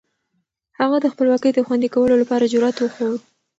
هغه د خپلواکۍ د خوندي کولو لپاره جرئت وښود.